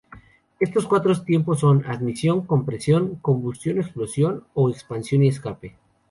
Estos cuatro tiempos son: admisión, compresión, combustión o explosión o expansión y escape.